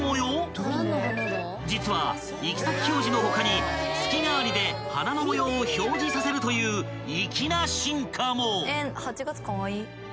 ［実は行き先表示の他に月替わりで花の模様を表示させるという粋な進化も］